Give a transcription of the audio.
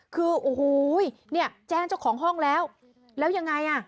คือโอ้โหเนี่ยแจ้งเจ้าของห้องแล้วแล้วยังไงอ่ะ